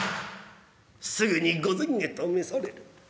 すぐに御前へと召される。